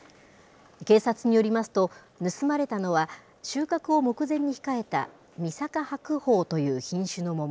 警察によりますと、盗まれたのは、収穫を目前に控えたみさか白鳳という品種の桃